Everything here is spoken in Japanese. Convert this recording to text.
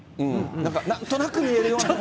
なんとなく見えるような。